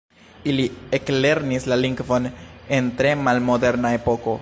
Ili eklernis la lingvon en tre malmoderna epoko.